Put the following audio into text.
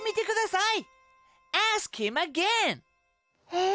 え？